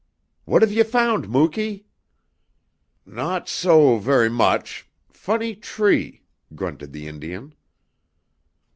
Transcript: "What have you found, Muky?" "No so ver' much. Funny tree," grunted the Indian.